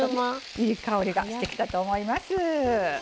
いい香りがしてきたと思います。